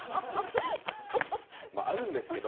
あるんですけど。